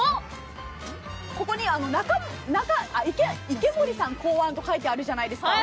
ここに池森さん考案とかいてあるんじゃないですか。